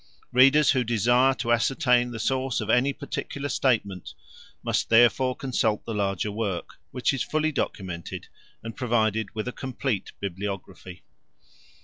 Readers who desire to ascertain the source of any particular statement must therefore consult the larger work, which is fully documented and provided with a complete bibliography.